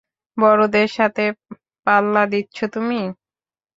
বড়দের সাথে পাল্লা দিচ্ছ তুমি।